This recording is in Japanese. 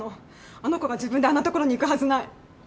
あの子が自分であんな所に行くはずない。